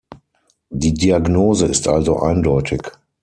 Die Diagnose ist also eindeutig.